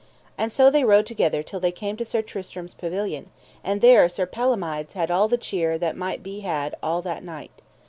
And so they rode together till they came to Sir Tristram's pavilion, and there Sir Palomides had all the cheer that might be had all that night.